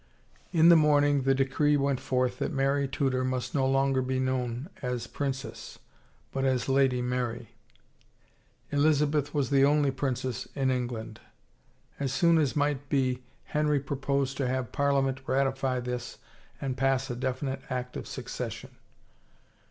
In the morning the decree went forth that Mary Tudor mu«t no longer be known as Pripcess, but as Lady Mary. Elizabeth was the only princess in England. As soon as might be Henry proposed to have Parliament ratify this and pass a definite Act of Succession.